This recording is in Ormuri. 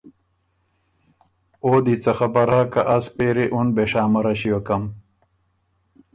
او دی څۀ خبر هۀ که از پېري اُن بېشامره ݭیوکم